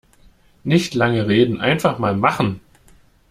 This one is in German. Nicht lange reden, einfach mal machen!